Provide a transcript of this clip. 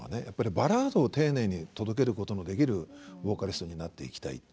バラードを丁寧に届けることができるボーカリストになっていきたい